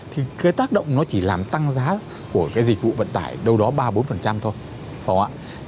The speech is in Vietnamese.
thì cái tác động nó chỉ làm tăng giá của cái dịch vụ vận tải đâu đó ba mươi bốn thôi ạ